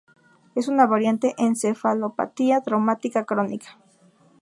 Es una variante de encefalopatía traumática crónica.